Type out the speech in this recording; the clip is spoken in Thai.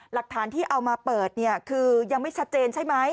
หลักฐานที่เอามาเปิดเนี่ยคือยังไม่ชัดเจนใช่ไหม